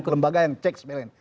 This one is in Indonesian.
lembaga yang checks balance